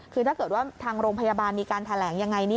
คือถ้าเกิดว่าทางโรงพยาบาลมีการแถลงยังไง